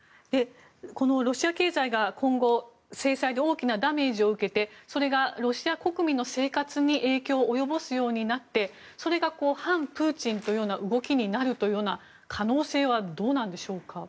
このロシア経済が今後制裁で大きなダメージを受けてそれがロシア国民の生活に影響を及ぼすようになってそれが反プーチンという動きになるような可能性はどうなんでしょうか。